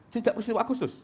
sejak peristiwa agustus